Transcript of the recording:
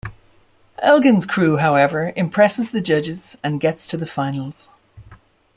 Elgin's crew, however, impresses the judges and gets to the finals.